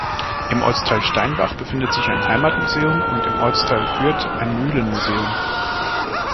Im Ortsteil Steinbach befindet sich ein Heimatmuseum und im Ortsteil Fürth ein Mühlenmuseum.